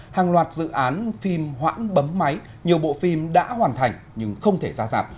hàng loạt dự án phim hoãn bấm máy nhiều bộ phim đã hoàn thành nhưng không thể ra rạp